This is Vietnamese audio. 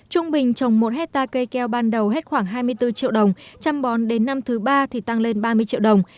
trung bình trồng một hectare cây keo ban đầu hết khoảng hai mươi bốn triệu đồng trăm bón đến năm thứ ba thì tăng lên ba mươi triệu đồng